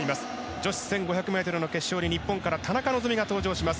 女子１５００ｍの決勝に日本から田中希実が登場します。